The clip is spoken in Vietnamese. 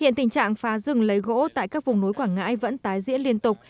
hiện tình trạng phá rừng lấy gỗ tại các vùng núi quảng ngãi vẫn tái diễn liên tục